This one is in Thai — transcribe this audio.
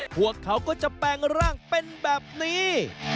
พวกเขาก็จะแปลงร่างเป็นแบบนี้